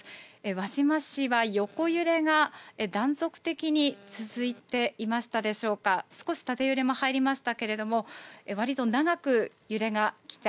輪島市は横揺れが断続的に続いていましたでしょうか、少し縦揺れも入りましたけれども、わりと長く揺れが来た。